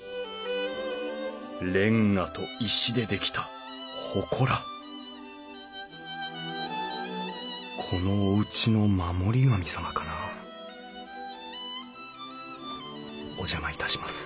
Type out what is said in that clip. レンガと石で出来たほこらこのおうちの守り神様かなお邪魔いたします